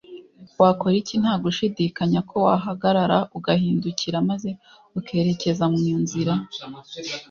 Wakora iki Nta gushidikanya ko wahagarara ugahindukira maze ukerekeza mu nzira